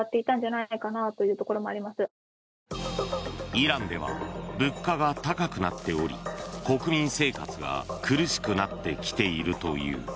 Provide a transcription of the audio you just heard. イランでは物価が高くなっており国民生活が苦しくなってきているという。